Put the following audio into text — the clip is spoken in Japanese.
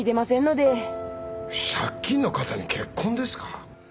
借金のカタに結婚ですか。